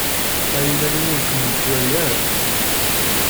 Err iman-im ur kem-nettwali ara.